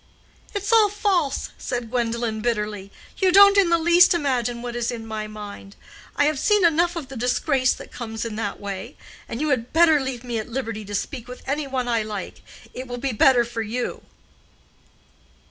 "It's all false!" said Gwendolen, bitterly. "You don't in the least imagine what is in my mind. I have seen enough of the disgrace that comes in that way. And you had better leave me at liberty to speak with any one I like. It will be better for you."